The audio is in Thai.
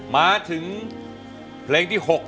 มาถึงเพลงที่๖